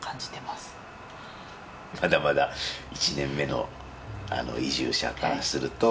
まだまだ１年目の移住者からすると。